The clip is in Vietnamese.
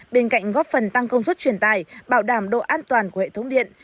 bên cạnh góp phần tăng công suất truyền tài bảo đảm độ an toàn của hệ thống điện